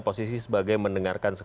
posisi sebagai mendengarkan